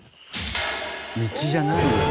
道じゃないよ。